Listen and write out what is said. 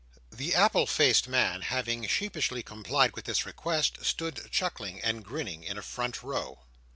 The apple faced man having sheepishly complied with this request, stood chuckling and grinning in a front row.